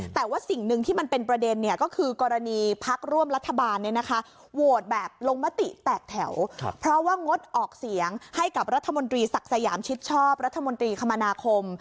แต่ว่าสิ่งหนึ่งที่มันเป็นประเด็นก็คือกรณีพักร่วมรัฐบาลโหวตแบบลงมติแตกแถวเพราะว่างดออกเสียงให้กับรัฐมนตรีศักดิ์สยามชิดชอบรัฐมนตรีคมนาคม